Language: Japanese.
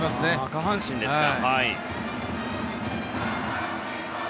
下半身ですか。